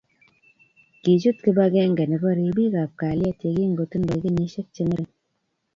kichut kibagenge nebo ripik ab kalyet ye kingiotindoi kenyishet che ngering